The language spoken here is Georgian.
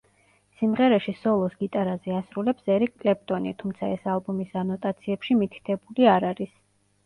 სიმღერაში სოლოს გიტარაზე ასრულებს ერიკ კლეპტონი, თუმცა ეს ალბომის ანოტაციებში მითითებული არ არის.